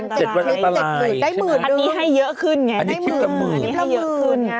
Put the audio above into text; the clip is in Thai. อันนี้ให้เยอะขึ้นไงอันนี้ให้เยอะขึ้นไง